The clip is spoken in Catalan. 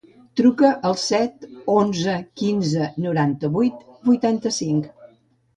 Truca al set, onze, quinze, noranta-vuit, vuitanta-cinc.